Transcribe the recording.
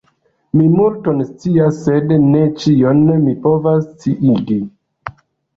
Mi multon scias, sed ne ĉion mi povas sciigi.